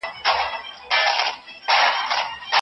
افغان هلکان خپلي ستونزي د ډیپلوماسۍ له لاري نه حل کوي.